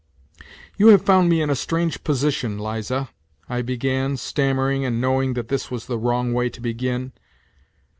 " You have found me in a strange position, Liza," I began, stammering and knowing that this was the wrong way to begin.